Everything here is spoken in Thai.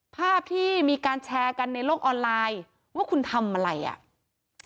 ภาพที่มีการแชร์กันในโลกออนไลน์ว่าคุณทำอะไรอ่ะ